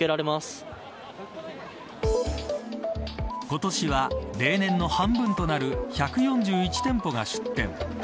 今年は例年の半分となる１４１店舗が出店。